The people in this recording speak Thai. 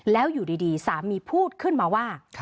แล้วอยู่ดีสามีพูดขึ้นมาว่า